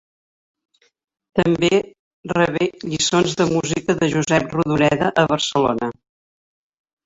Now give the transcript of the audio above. També rebé lliçons de música de Josep Rodoreda, a Barcelona.